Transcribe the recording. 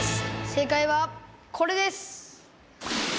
正解はこれです！